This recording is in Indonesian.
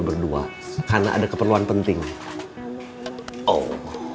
berdua karena ada keperluan penting oh